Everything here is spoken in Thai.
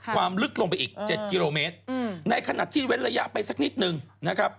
ความลึกลงไปอีก๗กิโลเมตรในขณะที่เว้นระยะไปสักนิดนึงนะครับ